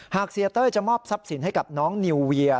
เสียเต้ยจะมอบทรัพย์สินให้กับน้องนิวเวีย